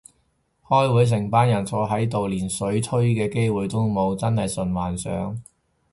開會成班人坐喺度連水吹嘅機會都冇，真係純幻想